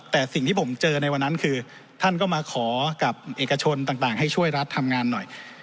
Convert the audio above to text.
แต่สิ่งที่ผมเจอในวันนั้นคือท่านก็มาขอกับเอกชนต่างให้ช่วยรัฐทำงานหน่อย